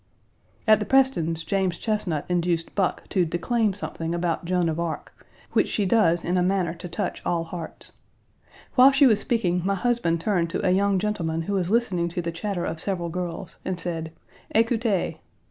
At the Prestons', James Chesnut induced Buck to declaim something about Joan of Arc, which she does in a manner to touch all hearts. While she was speaking, my husband turned to a young gentleman who was listening to the chatter of several girls, and said: "Écoutez!"